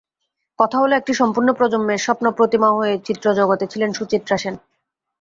কথা হলো, একটি সম্পূর্ণ প্রজন্মের স্বপ্নপ্রতিমা হয়ে চিত্রজগতে ছিলেন সুচিত্রা সেন।